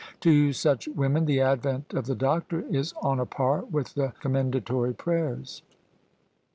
To such women the advent of the doctor is on a par with the Commendatory prayers.